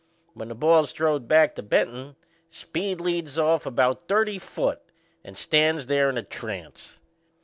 When the ball's throwed back to Benton, Speed leads off about thirty foot and stands there in a trance.